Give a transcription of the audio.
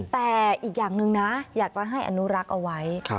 แต่อีกอย่างหนึ่งนะอยากจะให้อนุรักษ์เอาไว้